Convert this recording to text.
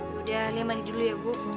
yaudah lihat mandi dulu ya bu